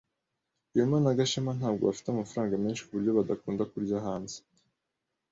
Rwema na Gashema ntabwo bafite amafaranga menshi kuburyo badakunda kurya hanze.